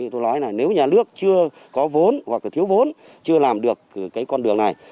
tôi nói là nếu nhà nước chưa có vốn hoặc là thiếu vốn chưa làm được cái con đường này